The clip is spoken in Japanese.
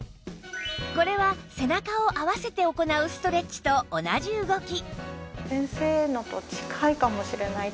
これは背中を合わせて行うストレッチと同じ動き